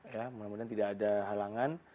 ya mudah mudahan tidak ada halangan